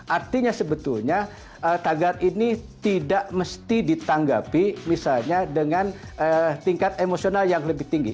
artinya sebetulnya tagar ini tidak mesti ditanggapi misalnya dengan tingkat emosional yang lebih tinggi